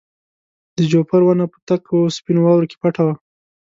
د جوپر ونه په تکو سپینو واورو کې پټه وه.